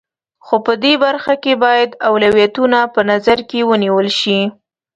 خو په دې برخه کې باید اولویتونه په نظر کې ونیول شي.